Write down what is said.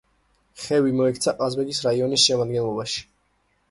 ხევი მოექცა ყაზბეგის რაიონის შემადგენლობაში.